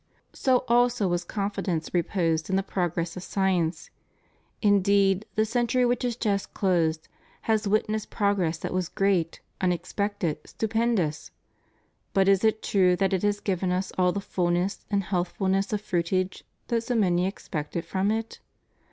So also was confidence reposed in the progress of science. Indeed the century which has just closed, has witnessed progress that was great, unexpected, stupendous. But is it true that it has given us all the fulness and health fulness of fruitage that so many expected from it?